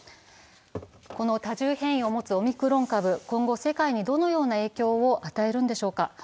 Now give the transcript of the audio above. この多重変異を持つオミクロン株、今後世界にどのような影響を与えるのでしょうか？